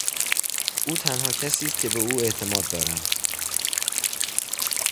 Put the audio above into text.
او تنها کسی است که به او اعتماد دارم.